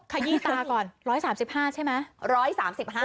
ขยี้ตาก่อน๑๓๕ใช่ไหม